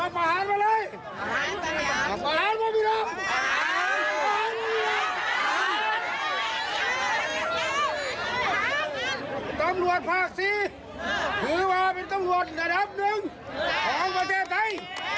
โปรดติดตามตอนตอนต่อไป